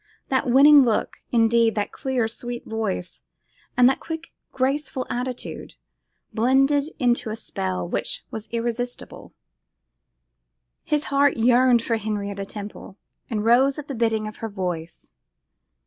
That winning look, indeed, that clear, sweet voice, and that quick graceful attitude, blended into a spell which was irresistible. His heart yearned for Henrietta Temple, and rose at the bidding of her voice.